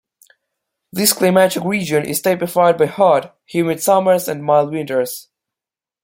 This climatic region is typified by hot, humid summers and mild winters.